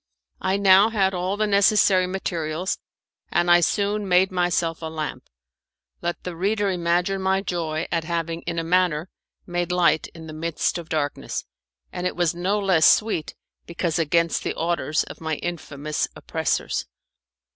I now had all the necessary materials, and I soon made myself a lamp. Let the reader imagine my joy at having in a manner made light in the midst of darkness, and it was no less sweet because against the orders of my infamous oppressors.